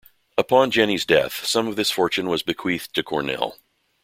Upon Jennie's death, some of this fortune was bequeathed to Cornell.